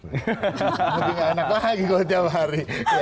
lebih nggak enak lagi kalau tiap hari